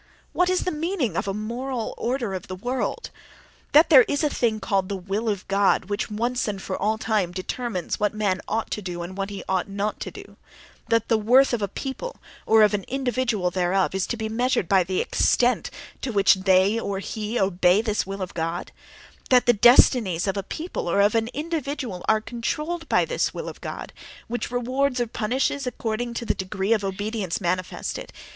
What is the meaning of a "moral order of the world"? That there is a thing called the will of God which, once and for all time, determines what man ought to do and what he ought not to do; that the worth of a people, or of an individual thereof, is to be measured by the extent to which they or he obey this will of God; that the destinies of a people or of an individual are controlled by this will of God, which rewards or punishes according to the degree of obedience manifested.